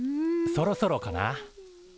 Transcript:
そろそろかな？